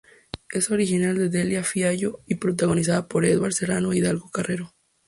Es original de Delia Fiallo y protagonizada por Eduardo Serrano e Hilda Carrero.